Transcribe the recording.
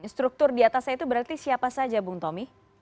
struktur di atasnya itu berarti siapa saja bung tommy